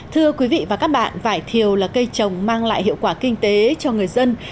thưa quý vị và các bạn vải thiều là cây trồng mang lại hiệu quả kinh tế cho người dân